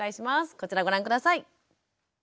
こちらご覧下さい。